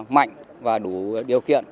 mạnh và đủ điều kiện